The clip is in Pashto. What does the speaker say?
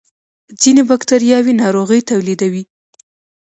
ځینې بکتریاوې ناروغۍ تولیدوي